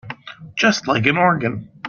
Just like an organ.